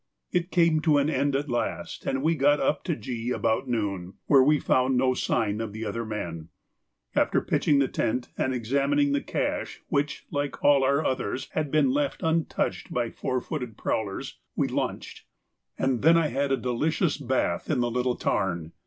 It came to an end at last, and we got up to G about noon, where we found no sign of the other men. After pitching the tent and examining the cache, which, like all our others, had been left untouched by four footed prowlers, we lunched, and I then had a delicious bathe in the little tarn.